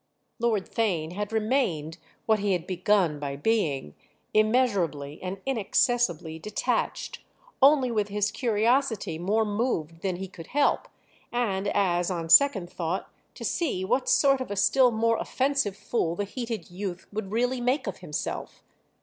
Lord Theign had remained what he had begun by being, immeasurably and inaccessibly detached—only with his curiosity more moved than he could help and as, on second thought, to see what sort of a still more offensive fool the heated youth would really make of himself.